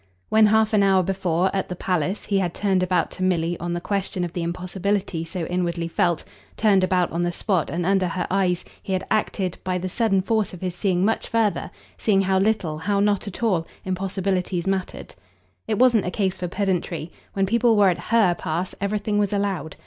When half an hour before, at the palace, he had turned about to Milly on the question of the impossibility so inwardly felt, turned about on the spot and under her eyes, he had acted, by the sudden force of his seeing much further, seeing how little, how not at all, impossibilities mattered. It wasn't a case for pedantry; when people were at HER pass everything was allowed.